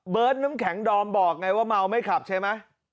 น้ำแข็งดอมบอกไงว่าเมาไม่ขับใช่ไหม